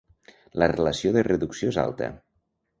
La relació de reducció és alta.